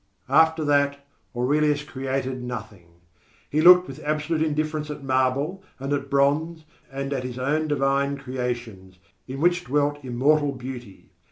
After that Aurelius created nothing. He looked with absolute indifference at marble and at bronze and at his own divine creations, in which dwelt immortal beauty.